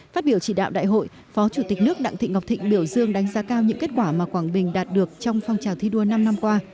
phát biểu chỉ đạo đại hội phó chủ tịch nước đặng thị ngọc thịnh biểu dương đánh giá cao những kết quả mà quảng bình đạt được trong phong trào thi đua năm năm qua